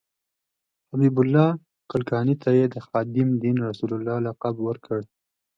حبیب الله کلکاني ته یې د خادم دین رسول الله لقب ورکړ.